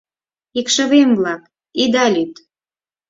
— Икшывем-влак, ида лӱд!